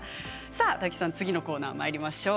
大吉さん、次のコーナーまいりましょう。